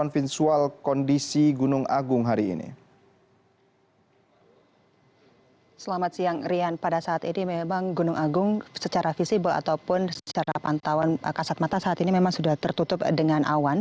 selamat siang rian pada saat ini memang gunung agung secara visible ataupun secara pantauan kasat mata saat ini memang sudah tertutup dengan awan